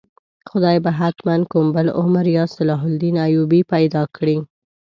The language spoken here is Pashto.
خدای به حتماً کوم بل عمر یا صلاح الدین ایوبي پیدا کړي.